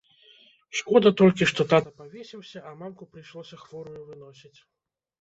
Шкода толькі, што тата павесіўся, а мамку прыйшлося хворую выносіць.